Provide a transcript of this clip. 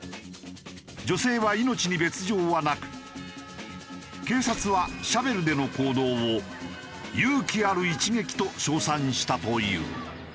女性は命に別条はなく警察はシャベルでの行動を「勇気ある一撃」と称賛したという。